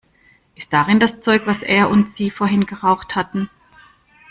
Ist darin das Zeug, was er und sie vorhin geraucht hatten?